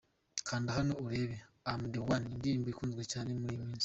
Kanda hano urebe “I am The One”, indirimbo ikunzwe cyane muri iyi minsi.